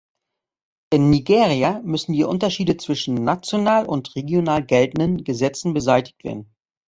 In Nigeria müssen die Unterschiede zwischen national und regional geltenden Gesetzen beseitigt werden.